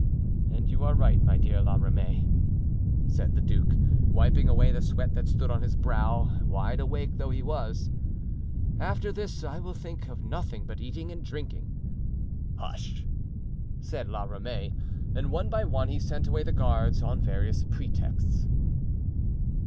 "And you are right, my dear La Ramee," said the duke, wiping away the sweat that stood on his brow, wide awake though he was; "after this I will think of nothing but eating and drinking." "Hush!" said La Ramee; and one by one he sent away the guards, on various pretexts.